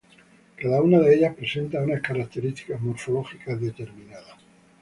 Cada una de ellas presenta unas características morfológicas determinadas.